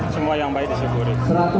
semua yang baik disyukuri